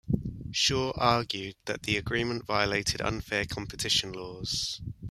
Shaw argued that the agreement violated unfair competition laws.